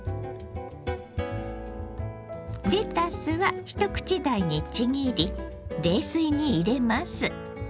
レタスは一口大にちぎり冷水に入れます。